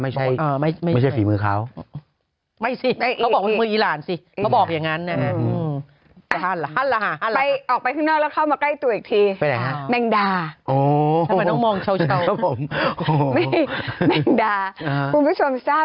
ไม่ใช่ราคาเป็นพันธุ์แล้วกินไม่ได้นะ